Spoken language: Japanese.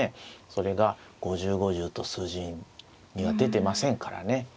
それが５０５０と数字には出てませんからね。